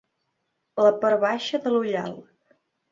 La part baixa de l'ullal.